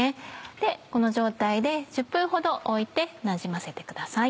この状態で１０分ほど置いてなじませてください。